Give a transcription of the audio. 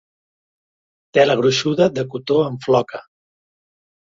Tela gruixuda de cotó en floca.